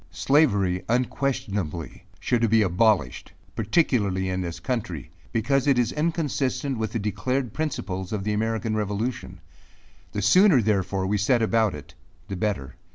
Slavery, unquestionably, should be abolished, particularly in this country; because it is inconsistent with the declared principles of the American Revolution. The sooner, therefore, we set about it, the better.